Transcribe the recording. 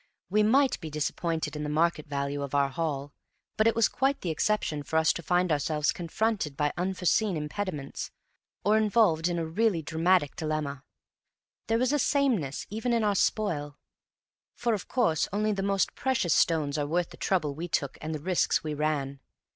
We might be disappointed in the market value of our haul; but it was quite the exception for us to find ourselves confronted by unforeseen impediments, or involved in a really dramatic dilemma. There was a sameness even in our spoil; for, of course, only the most precious stones are worth the trouble we took and the risks we ran.